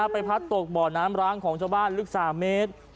พัดตกบ่อน้ำร้างของชาวบ้านลึก๓เมตร